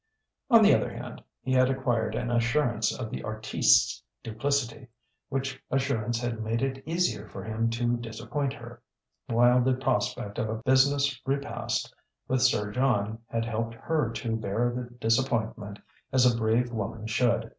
On the other hand, he had acquired an assurance of the artiste's duplicity, which assurance had made it easier for him to disappoint her, while the prospect of a business repast with Sir John had helped her to bear the disappointment as a brave woman should.